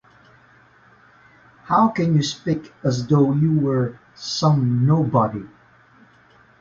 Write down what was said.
How can you speak as though you were some nobody?